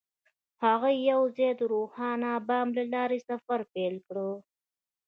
هغوی یوځای د روښانه بام له لارې سفر پیل کړ.